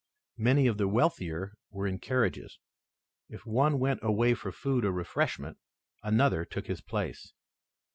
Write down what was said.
Many of the wealthier were in carriages. If one went away for food or refreshment another took his place.